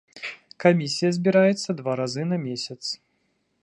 Камісія збіраецца два разы на месяц.